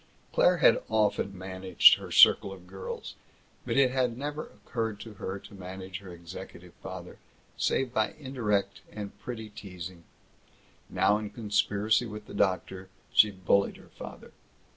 Claire had often managed her circle of girls, but it had never occurred to her to manage her executive father save by indirect and pretty teasing. Now, in conspiracy with the doctor, she bullied her father.